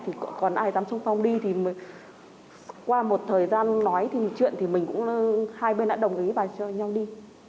thì còn ai dám sung phong đi thì qua một thời gian nói thì chuyện thì mình cũng hai bên đã đồng ý và cho nhau đi